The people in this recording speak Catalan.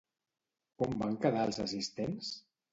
Com van quedar els assistents?